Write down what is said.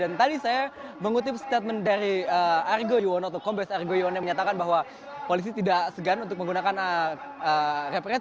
dan tadi saya mengutip statement dari argo yuwono atau kompes argo yuwono yang menyatakan bahwa polisi tidak segan untuk menggunakan repress